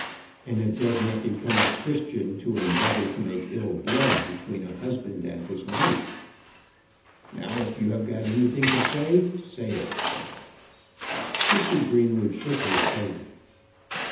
And it does not become a Christian to endeavour to make ill blood between a husband and his wife. Now, if you have got anything to say, say it." Mr. Greenwood shook his head.